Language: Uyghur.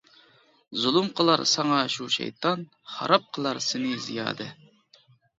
زۇلۇم قىلار ساڭا شۇ شەيتان، خاراب قىلار سېنى زىيادە.